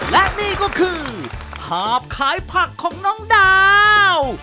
และนี่ก็คือหาบขายผักของน้องดาว